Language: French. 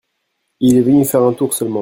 Il est venu faire un tour seulement.